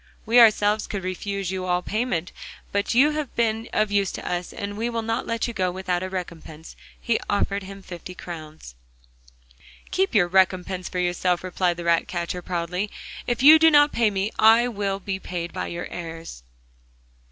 We ourselves could refuse you all payment. But you have been of use to us, and we will not let you go without a recompense,' and he offered him fifty crowns. 'Keep your recompense for yourself,' replied the ratcatcher proudly. 'If you do not pay me I will be paid by your heirs.